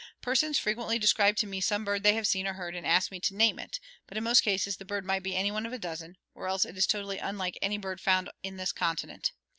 Persons frequently describe to me some bird they have seen or heard and ask me to name it, but in most cases the bird might be any one of a dozen, or else it is totally unlike any bird found in this continent.